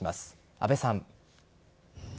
阿部さん。